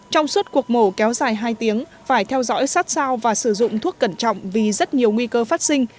trong suốt cuộc mổ kéo dài hai tiếng phải theo dõi sát sao và sử dụng thuốc cẩn trọng vì rất nhiều nguy cơ phát sinh